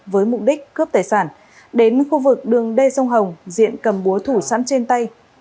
với mục đích cướp tài sản đến khu vực đường đê sông hồng diện cầm búa thủ sẵn trên tay